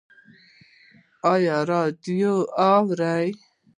ایا راډیو اورئ؟